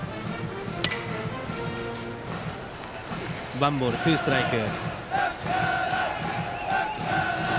ワンボール、ツーストライク。